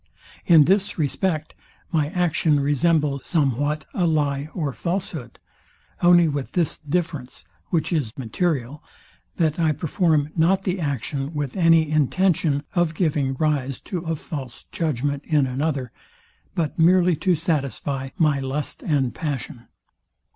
In this respect my action resembles somewhat a lye or falshood; only with this difference, which is material, that I perform not the action with any intention of giving rise to a false judgment in another, but merely to satisfy my lust and passion.